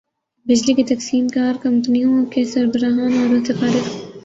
بجلی کی تقسیم کار کمپنیوں کے سربراہان عہدوں سے فارغ